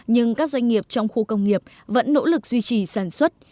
nhưng các doanh nghiệp trong khu công nghiệp vẫn nỗ lực duy trì sản xuất